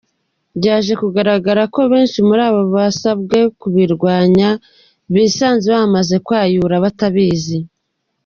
Byaje kugaragara ko abenshi muri abo basabwe kubirwanya bisanze bamaze kwayura batabizi.